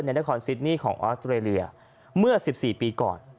นครซิดนี่ของออสเตรเลียเมื่อ๑๔ปีก่อน